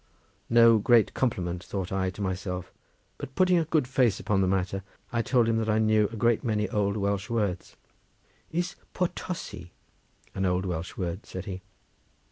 "No great compliment," thought I to myself, but putting a good face upon the matter, I told him that I knew a great many old Welsh words. "Is Potosi an old Welsh word?" said he.